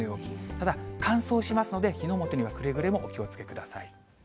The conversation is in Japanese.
ただ、乾燥しますので、火の元にはくれぐれもお気をつけください。